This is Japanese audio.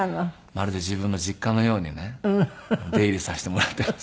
まるで自分の実家のようにね出入りさせてもらっています。